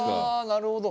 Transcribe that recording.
なるほど。